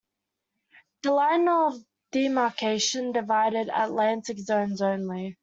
The line of demarcation divided Atlantic zones only.